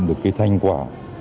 được cái thanh quả